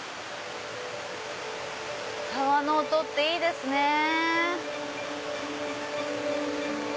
川の音っていいですね。